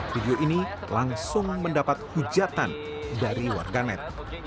video ini langsung mendapat hujatan dari warganet